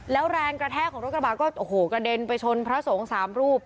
แล้วแรงกระแทกของรถกระบาดก็โอ้โหกระเด็นไปชนพระสงฆ์สามรูป